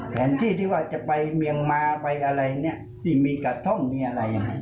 แผนที่ที่ว่าจะไปเมียงมาไปอะไรเนี่ยที่มีกระท่อมมีอะไร